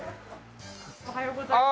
おはようございます。